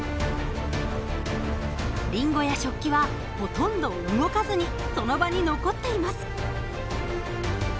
りんごや食器はほとんど動かずにその場に残っています。